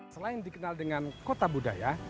selain dikenal dengan kota budaya